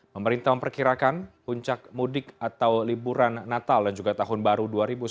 pemerintah memperkirakan puncak mudik atau liburan natal dan juga tahun baru dua ribu sembilan belas